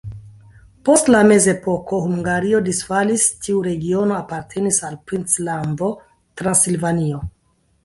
Post la mezepoko Hungario disfalis, tiu regiono apartenis al princlando Transilvanio.